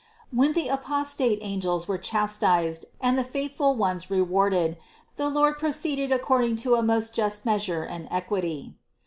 362. When the apostate angels were chastised and the faithful ones rewarded, the Lord proceeded according to a most just measure and equity.